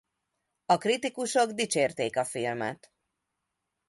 A kritikusok dicsérték a filmet.